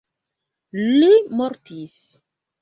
Li mortis.